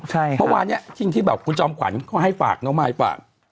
เมื่อวานนี้ที่แบบคุณจอมขวัญเขาให้ฝากน้องมายฝาก